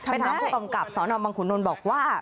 เป็นถามผู้ตำกับสอนอบบังขุนนท์บอกว่า